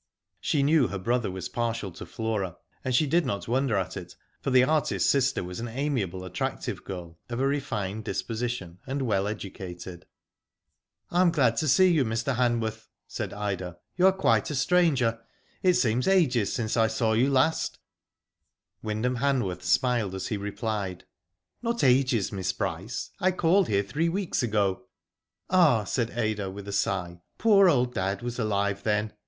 She knew her brother was partial to Flora, and she did not wonder at it, for the artist's sister was an amiable, attractive girl, of a refined disposition and well educated. " I am glad to see you, Mr. Hanworth," said Ida. "You are quite a stranger. It seem^ ages since I saw you last." Digitized byGoogk THE ARTIST. 51 Wyndham Hanworth smiled as he replied :" Not ages, Miss Bryce. I called here three weeks ago.*' " Ah/' said Ida, with a sigh, *' poor old dad was alive then.